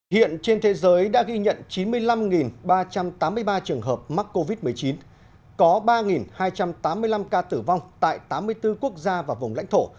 hiện trên thế giới đã ghi nhận chín mươi năm ba trăm tám mươi ba trường hợp mắc covid một mươi chín có ba hai trăm tám mươi năm ca tử vong tại tám mươi bốn quốc gia và vùng lãnh thổ